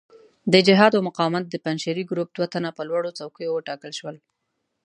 د جهاد او مقاومت د پنجشیري ګروپ دوه تنه په لوړو څوکیو وټاکل شول.